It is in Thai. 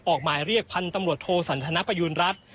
ออกหมายเรียกพันธุ์ตำรวจโทสันทนประยูณรัฐ